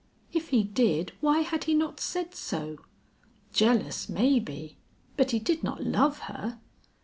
If he did, why had he not said so? Jealous, maybe, but he did not love her!